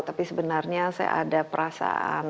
tapi sebenarnya saya ada perasaan